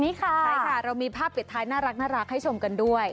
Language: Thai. ใช่ค่ะใช่ค่ะเรามีภาพปิดท้ายน่ารักให้ชมกันด้วย